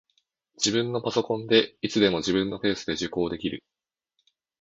自分のパソコンで、いつでも自分のペースで受講できる